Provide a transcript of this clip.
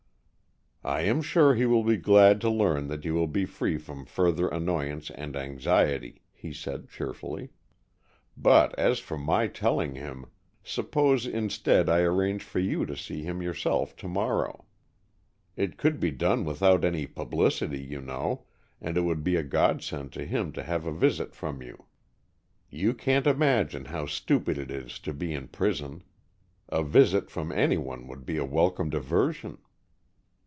"I am sure he will be glad to learn that you will be free from further annoyance and anxiety," he said, cheerfully. "But as for my telling him, suppose instead, I arrange for you to see him yourself to morrow. It could be done without any publicity, you know, and it would be a godsend to him to have a visit from you. You can't imagine how stupid it is to be in prison. A visit from anyone would be a welcome diversion!"